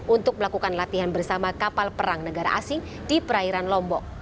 untuk melakukan latihan bersama kapal perang negara asing di perairan lombok